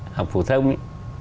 học phổ thông ấy